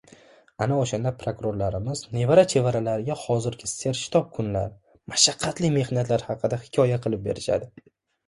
Ana oʻshanda prokurorlarimiz nevara-chevaralariga hozirgi sershitob kunlar, mashaqqatli mehnatlar haqida hikoya qilib berishadi...